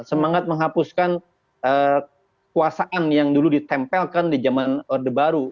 semangat menghapuskan kuasaan yang dulu ditempelkan di zaman orde baru